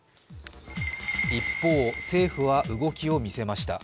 一方、政府は動きを見せました。